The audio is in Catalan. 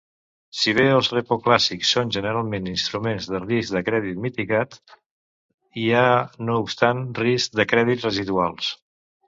Si bé els repo clàssics són generalment instruments de risc de crèdit mitigat, hi ha no obstant riscs de crèdit residuals.